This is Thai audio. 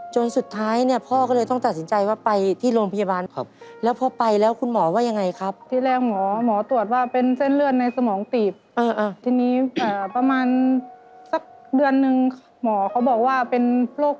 จนสุดท้ายพ่อก็เลยต้องตัดสินใจว่าไปที่โรงพยาบาล